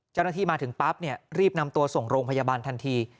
เจ้าหน้าที่มาถึงปั๊บรีบนำตัวส่งโรงพยาบาลทันที